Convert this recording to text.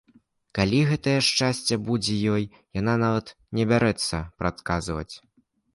Калі гэтае шчасце будзе ёй, яна нават не бярэцца прадказваць.